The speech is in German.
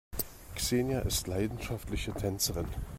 Xenia ist leidenschaftliche Tänzerin.